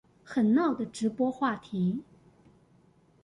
很鬧的直播話題